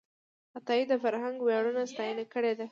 عطایي د فرهنګي ویاړونو ستاینه کړې ده.